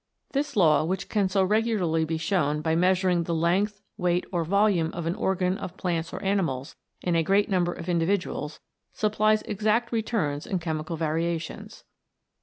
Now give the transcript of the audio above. This law, which can so regularly be shown by measuring the length, weight or volume of an organ of plants or animals in a great number of individuals, supplies exact returns in chemical variations.